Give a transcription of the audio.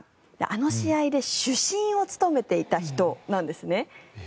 あの試合で主審を務めていた人なんですね。